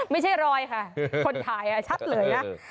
ไม่ใช่รอยค่ะคนถ่ายชัดเลยนะ